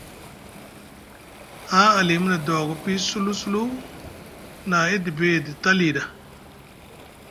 Haa alimu na doogo pii sulu sulu na e dibi taa lii ɗa.